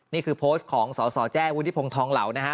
นี่คือโพสต์ของสสแจ้วุฒิพงศ์ทองเหล่านะฮะ